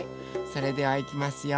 それではいきますよ。